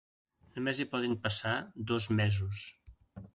Només hi poden passar dos mesos.